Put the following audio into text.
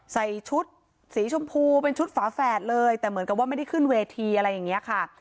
ใส่ชุดสีชมพูเป็นชุดฝาแฝดเลยแต่เหมือนกับว่าไม่ได้ขึ้นเวทีอะไรอย่างนี้ค่ะ